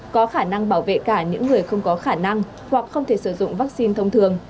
có khả năng bảo vệ cả những người không có khả năng hoặc không thể sử dụng vaccine thông thường